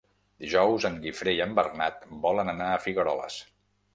Dijous en Guifré i en Bernat volen anar a Figueroles.